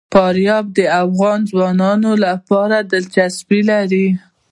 فاریاب د افغان ځوانانو لپاره دلچسپي لري.